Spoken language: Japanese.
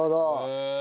へえ。